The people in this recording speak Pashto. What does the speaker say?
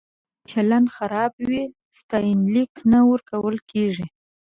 چې چلچلن خراب وي، ستاینلیک نه ورکول کېږي.